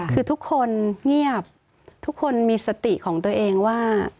คือทุกคนเงียบทุกคนมีสติของตัวเองว่า